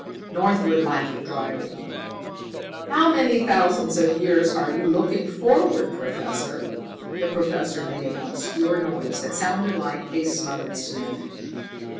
Northwood laughed dryly. "How many thousands of years are you looking forward, Professor?" The professor made an obscure noise that sounded like a smothered sniff.